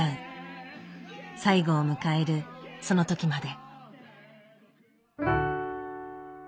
最後を迎えるその時まで。